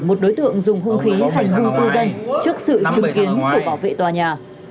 một đối tượng dùng hung khí hành hung cư dân trước sự chứng kiến của bảo vệ tòa nhà